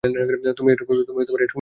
তুমি এটুকুও করতে পারো না।